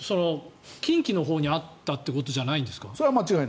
近畿のほうにあったということじゃないんですか？